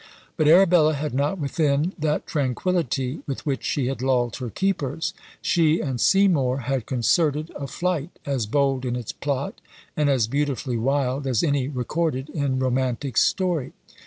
But Arabella had not within that tranquillity with which she had lulled her keepers. She and Seymour had concerted a flight, as bold in its plot, and as beautifully wild, as any recorded in romantic story.